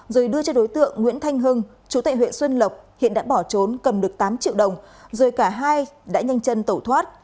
rồi đưa cho đối tượng nguyễn thanh hưng chú tệ huyện xuân lộc hiện đã bỏ trốn cầm được tám triệu đồng rồi cả hai đã nhanh chân tẩu thoát